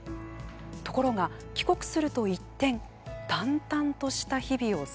ところが帰国すると一転淡々とした日々を過ごします。